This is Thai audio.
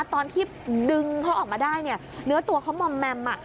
ตอนที่ดึงเขาออกมาได้เนี่ยเนื้อตัวเขามอมแมม